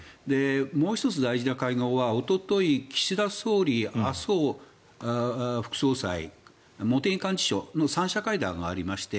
もう１つ大事な会合はおととい岸田総理麻生副総裁、茂木幹事長の３者会談がありまして